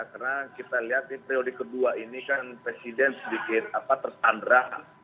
karena kita lihat di priori kedua ini kan presiden sedikit tertandrah